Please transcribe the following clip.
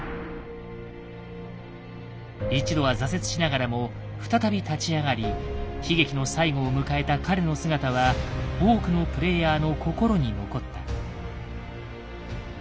一度は挫折しながらも再び立ち上がり悲劇の最期を迎えた彼の姿は多くのプレイヤーの心に残った。